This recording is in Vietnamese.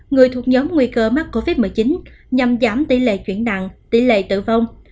người thuộc nhóm nguy cơ mắc covid một mươi chín nhằm giảm tỷ lệ chuyển nặng tỷ lệ tử vong